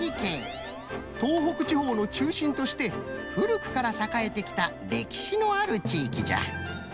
東北地方のちゅうしんとしてふるくからさかえてきたれきしのあるちいきじゃ。